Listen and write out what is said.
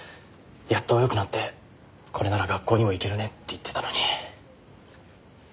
やっとよくなってこれなら学校にも行けるねって言ってたのに。